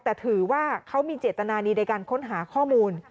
แต่ถือว่าเขามีเจตนาดีในการค้นหาข้อมูล